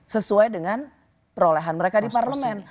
sesuai dengan perolehan mereka di parlemen